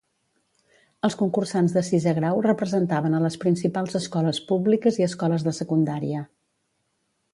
Els concursants de sisè grau representaven a les principals escoles públiques i escoles de secundària.